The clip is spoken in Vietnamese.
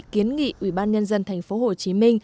kiến nghị ubnd tp hcm